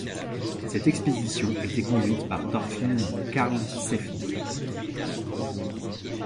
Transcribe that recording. Cette expédition était conduite par Thorfinn Karlsefni.